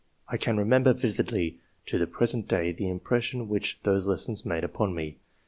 I can remember vividly to the present day the impression which those lessons made upon me.